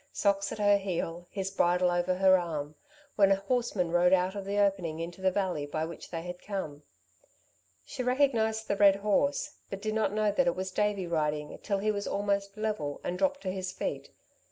Socks at her heels, his bridle over her arm, when a horseman rode out of the opening into the valley, by which they had come. She recognised the red horse, but did not know that it was Davey riding till he was almost level, and dropped to his feet.